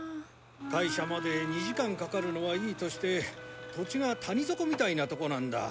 会社まで２時間かかるのはいいとして土地が谷底みたいなとこなんだ。